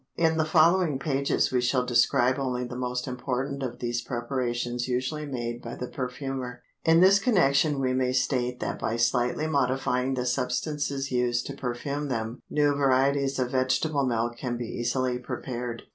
In the following pages we shall describe only the most important of these preparations usually made by the perfumer. In this connection we may state that by slightly modifying the substances used to perfume them, new varieties of vegetable milk can be easily prepared.